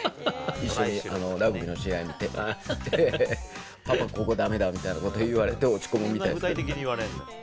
一緒にラグビーの試合見て、パパ、ここだめだみたいなこと言われて、落ち込むみたいですけどね。